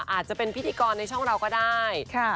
อาจจะเป็นพิธีกรในช่องเราก็ได้